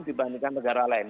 dibandingkan negara lain